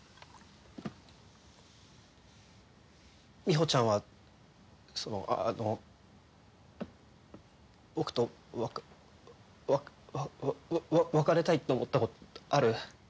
みほちゃんはそのあの僕とわわわ別れたいって思ったことある？